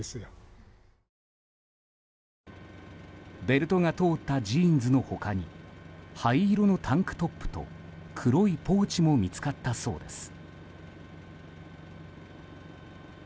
ベルトが通ったジーンズの他に灰色のタンクトップと黒いポーチも見つかったそうです。